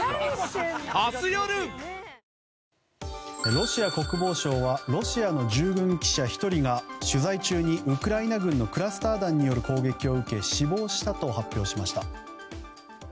ロシア国防省はロシアの従軍記者１人が取材中にウクライナ軍のクラスター弾による攻撃を受け死亡したと発表しました。